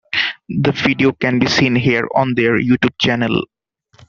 The video can be seen here on their YouTube channel.